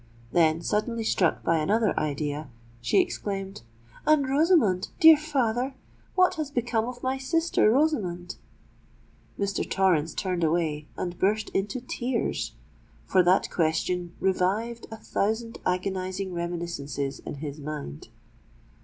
"—then, suddenly struck by another idea, she exclaimed, "And Rosamond, dear father—what has become of my sister Rosamond?" Mr. Torrens turned away, and burst into tears—for that question revived a thousand agonising reminiscences in his mind.